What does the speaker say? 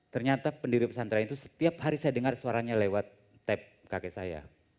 ternyata pendiri pesantren itu setiap hari saya dengar suaranya lewat tap kakek saya